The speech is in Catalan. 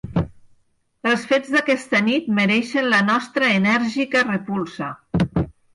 Els fets d’aquesta nit mereixen la nostra enèrgica repulsa.